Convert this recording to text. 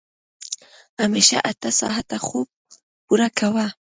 همېشه اته ساعته خوب پوره کوه.